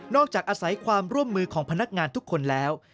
จากอาศัยความร่วมมือของพนักงานทุกคนแล้ว